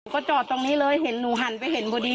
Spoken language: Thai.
ก็จอดตรงนี้เลยเห็นหนูหันไปเห็นพอดี